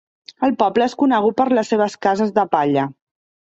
El poble és conegut per les seves cases de palla.